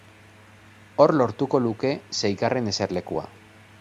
Hor lortuko luke seigarren eserlekua.